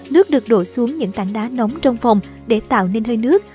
nước được đổ xuống những tảng đá nóng trong phòng để tạo nên hơi nước